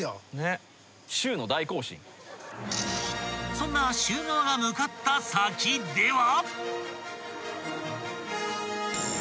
［そんなシュー皮が向かった先では］